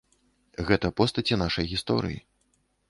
Гэта постаці нашай гісторыі.